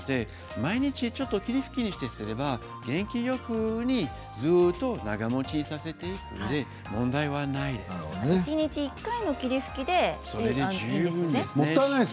毎日ちょっと霧吹きしてあげれば元気よくずっと長もちさせていくので一日１回の霧吹きで。